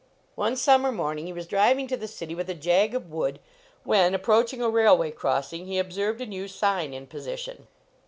One sum mer morning he was driving to the city with a jag of wood, when, approaching a railway crossing, he observed a new sign in position.